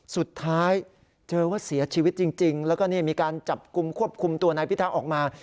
สุดท้ายเจอว่าเสียชีวิตจริงแล้วก็นี่มีการจับกลุ่มควบคุมตัวนายพิทักษ์ออกมา